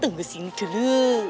tunggu sini dulu